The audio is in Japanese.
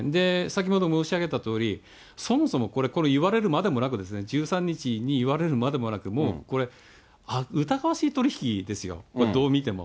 先ほど申し上げたとおり、そもそも、これ、言われるまでもなく、１３日に言われるまでもなく、もうこれ、疑わしい取り引きですよ、これ、どう見ても。